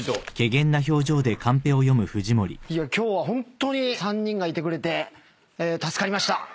今日はホントに３人がいてくれて助かりました。